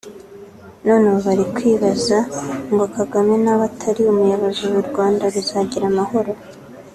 none ubu bari "kwibaza ngo Kagame naba atakiri umuyobozi ubu u Rwanda ruzagira amahoro